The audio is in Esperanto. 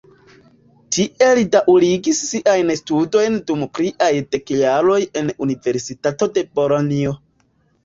Tie li daŭrigis siajn studojn dum pliaj dek jaroj en la Universitato de Bolonjo.